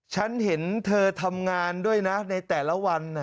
ฉันเห็นเธอทำงานด้วยนะในแต่ละวัน